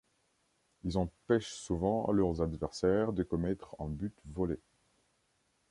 Ils empêchent souvent leurs adversaires de commettre un but volé.